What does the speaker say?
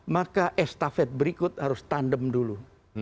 maka estafet berikut harus tandem dulu